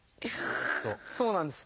そうなんです。